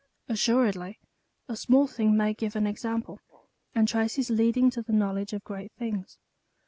Assuredly a small thing may give an example, and traces leading to the knowledge of great things.